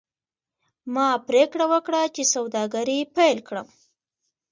ما پریکړه وکړه چې سوداګري پیل کړم.